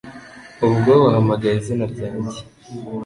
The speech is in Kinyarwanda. ubwo wahamagaye izina ryanjye